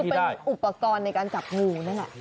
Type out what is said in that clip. สักท่านแล้วเป็นอุปกรณ์ในกับจะหู